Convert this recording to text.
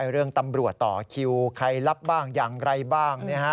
เรื่องตำรวจต่อคิวใครรับบ้างอย่างไรบ้าง